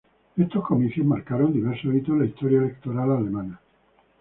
Estos comicios marcaron diversos hitos en la historia electoral alemana.